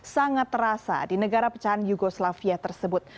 sangat terasa di negara pecahan yugoslavia tersebut